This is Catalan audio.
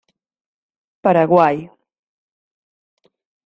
Paraguai.